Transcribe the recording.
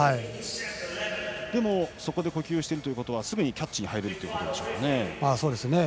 でも、そこで呼吸しているということはすぐにキャッチに入れるということでしょうね。